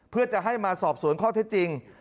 เพื่อจะให้มาสอบสวนข้อเท็จจริง